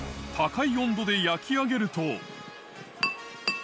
高い温度で焼き上げると。